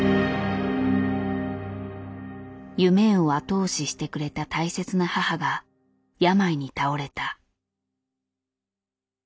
夢を後押ししてくれた大切な母が病に倒れた。